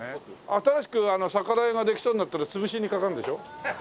新しく魚屋ができそうになったら潰しにかかるんでしょ？